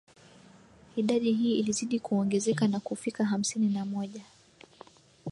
Idadi hii ilizidi kuongezeka na kufika hamsini na moja